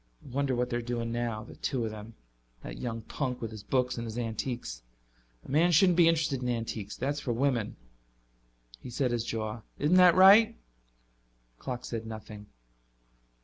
"I wonder what they're doing now, the two of them. That young punk with his books and his antiques. A man shouldn't be interested in antiques; that's for women." He set his jaw. "Isn't that right?" The clock said nothing.